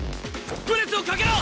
プレスをかけろ！